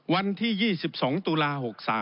วันที่๒๒ตุลา๖๓